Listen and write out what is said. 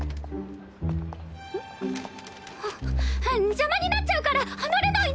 邪魔になっちゃうから離れないで！